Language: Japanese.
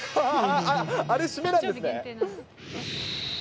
あれ、締めなんですね。